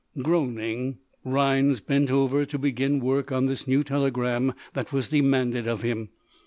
Groaning, Rhinds bent over to begin work on this new telegram that was demanded of him.